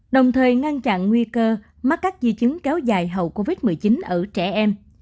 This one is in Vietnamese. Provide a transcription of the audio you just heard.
đồng thời ngăn chặn nguy cơ mắc các di chứng kéo dài hậu covid một mươi chín ở trẻ em